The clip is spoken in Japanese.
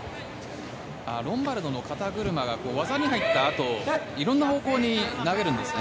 ロンバルドの肩車が技に入ったあと色んな方向に投げるんですね。